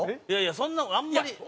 いやいやそんなあんまり。